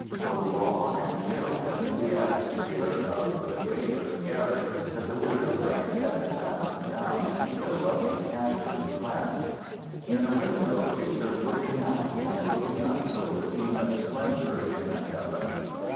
So raw and chill had been the atmosphere of the grateless garret that the window frames had been fastened down, their rusty catches clamped. At the window she stood looking out and looking up toward a scene of splendor in the heavens.